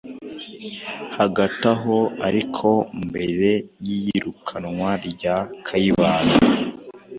Hagati aho ariko mbere y’iyirukanwa rya Kayibanda,